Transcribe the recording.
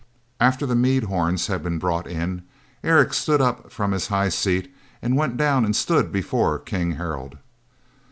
After the mead horns had been brought in, Eric stood up from his high seat and went down and stood before King Harald.